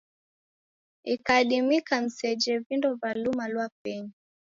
Ikadimika mseje vindo va luma lwa penyu.